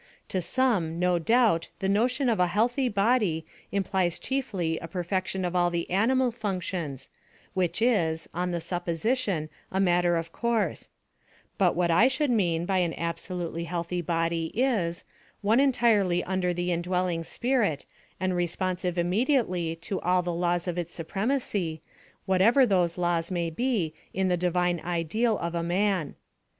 To some no doubt the notion of a healthy body implies chiefly a perfection of all the animal functions, which is, on the supposition, a matter of course; but what I should mean by an absolutely healthy body is, one entirely under the indwelling spirit, and responsive immediately to all the laws of its supremacy, whatever those laws may be in the divine ideal of a man.